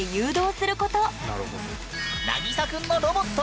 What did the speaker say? なぎさくんのロボット